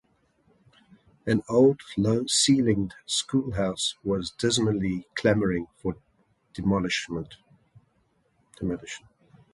An old low-ceilinged schoolhouse was dismally clamouring for demolition.